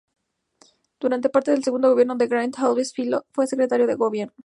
Durante parte del segundo gobierno de Garibaldi Alves Filho, fue Secretario de Gobierno.